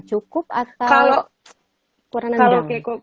cukup atau kurang kurangnya